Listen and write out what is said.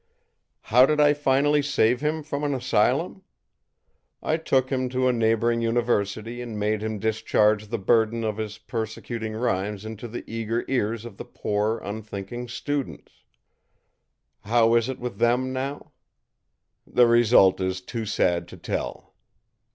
How did I finally save him from an asylum? I took him to a neighboring university and made him discharge the burden of his persecuting rhymes into the eager ears of the poor, unthinking students. How is it with them, now? The result is too sad to tell.